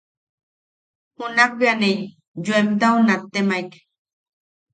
Junak bea ne yoemtau nattemaek: